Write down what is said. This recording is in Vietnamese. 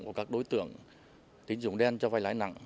của các đối tượng tín dụng đen cho vai lãi nặng